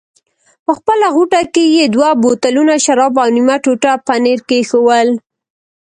په خپله غوټه کې یې دوه بوتلونه شراب او نیمه ټوټه پنیر کېښوول.